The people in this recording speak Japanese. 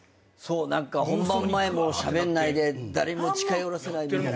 何か本番前もしゃべんないで誰にも近寄らせないみたいな。